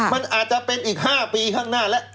มันอาจจะเป็นอีก๕ปีข้างหน้าแล้ว